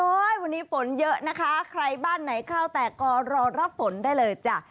วันนี้ฝนเยอะนะคะใครบ้านไหนเข้าแต่ก็รอรับฝนได้เลยจ้ะ